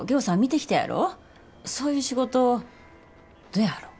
そういう仕事どやろ？